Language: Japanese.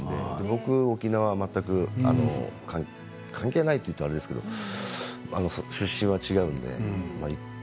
僕は沖縄は、全く関係ないと言ったらあれですけれども出身は違うので。